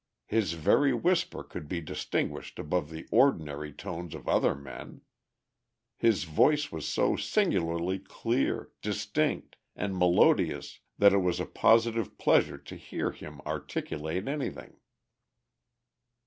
His very whisper could be distinguished above the ordinary tones of other men. His voice was so singularly clear, distinct, and melodious that it was a positive pleasure to hear him articulate anything."